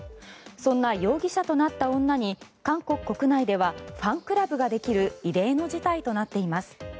そんな容疑者となった女に韓国国内ではファンクラブができる異例の事態となっています。